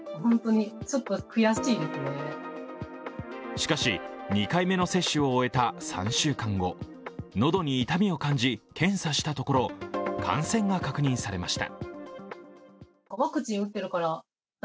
しかし、２回目の接種を終えた３週間後喉に痛みを感じ、検査したところ感染が確認されました。